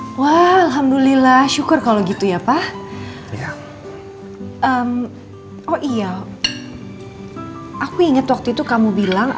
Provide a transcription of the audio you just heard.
hai wah alhamdulillah syukur kalau gitu ya pak oh iya aku inget waktu itu kamu bilang ada